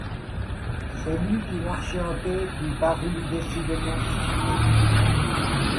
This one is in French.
Celui qui marchait en tête lui parut décidément suspect.